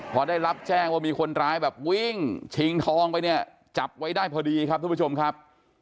พอได้รับแจ้งว่ามีคนร้ายแบบวิ่งชิงทองไปเนี่ยจับไว้ได้พอดีครับทุกผู้ชมครับ